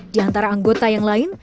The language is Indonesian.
di antara anggota yang lain